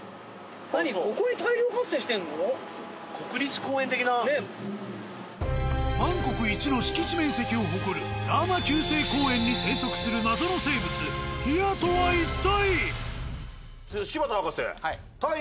何バンコク一の敷地面積を誇るラーマ９世公園に生息する謎の生物ヒヤとは一体！？